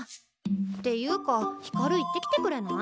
っていうか光行ってきてくれない？